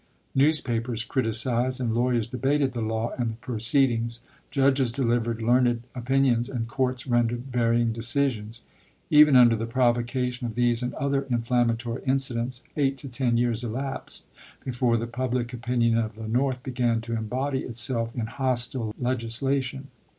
Newspapers criticized and lawyers debated the law and the proceedings ; judges delivered learned opin ions and courts rendered varying decisions. Even under the provocation of these and other inflammatory incidents, eight to ten years elapsed before the public opinion of the North began to embody itself in hostile legislation.